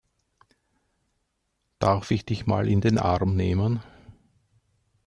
Darf ich dich mal in den Arm nehmen?